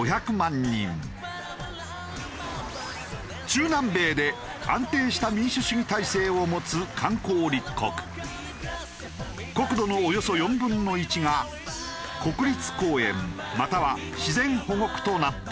中南米で安定した民主主義体制を持つ国土のおよそ４分の１が国立公園または自然保護区となっている。